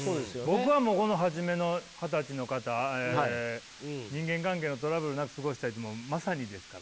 僕はこの初めの二十歳の方「人間関係のトラブルなく過ごしたい」ってもうまさにですから。